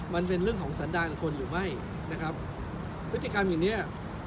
มันเป็นเรื่องของสัญลักษณ์ของคนหรือไม่นะครับวิธีกรรมอย่างเนี้ย